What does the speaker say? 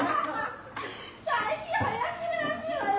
最近はやってるらしいわよ